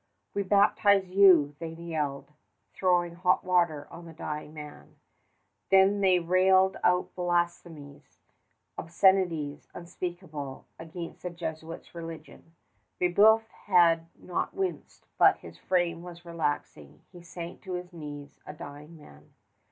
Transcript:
"We baptize you," they yelled, throwing hot water on the dying man. Then they railed out blasphemies, obscenities unspeakable, against the Jesuits' religion. Brébeuf had not winced, but his frame was relaxing. He sank to his knees, a dying man.